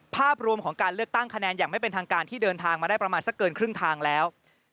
ภาพรวมของการเลือกตั้งคะแนนอย่างไม่เป็นทางการที่เดินทางมาได้ประมาณสักเกินครึ่งทางแล้ว